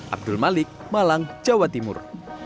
abdul malik malang jawa timur